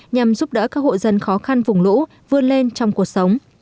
nhằm giúp đỡ các hộ dân khó khăn vùng lũ vươn lên trong cuộc sống